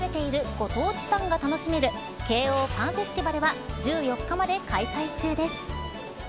ご当地パンが楽しめるＫｅｉｏパンフェスティバルは１４日まで開催中です。